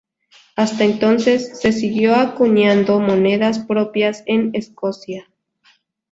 Hasta entonces, se siguió acuñando monedas propias en Escocia.